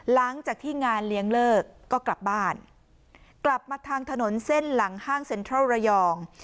หลังจากที่งานเลี้ยงเลิกก็กลับบ้านกลับมาทางถนนเส้นหลังห้างเซ็นทรัลระยอง